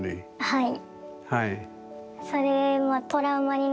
はい。